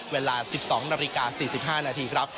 เวลา๑๒นาฬิกา๔๕นาทีครับ